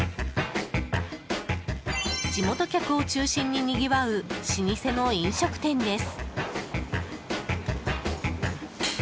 地元客を中心ににぎわう老舗の飲食店です。